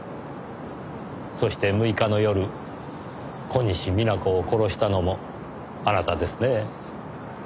そして６日の夜小西皆子を殺したのもあなたですね？